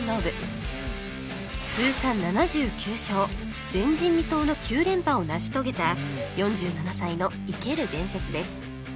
通算７９勝前人未到の９連覇を成し遂げた４７歳の生ける伝説です